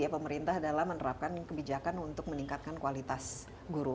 pemerintah adalah menerapkan kebijakan untuk meningkatkan kualitas guru